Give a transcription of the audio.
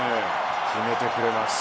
決めてくれます。